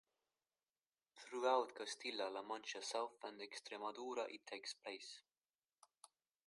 Throughout Castilla-La Mancha South and Extremadura it takes place.